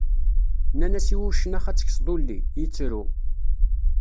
Nnan-as i wuccen ax ad tekseḍ ulli, yettru.